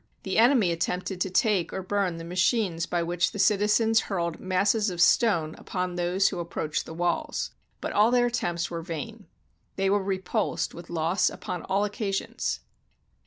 The enemy attempted to take or burn the machines by which the citizens hurled masses of stone upon those who approached the walls, but all their attempts were vain. They were repulsed with loss upon all occasions.